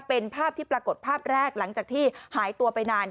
เป็นภาพที่ปรากฏภาพแรกหลังจากที่หายตัวไปนาน